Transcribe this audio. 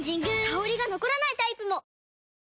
香りが残らないタイプも！